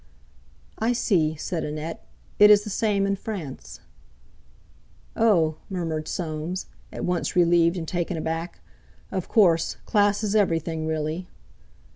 "I see," said Annette; "it is the same in France." "Oh!" murmured Soames, at once relieved and taken aback. "Of course, class is everything, really."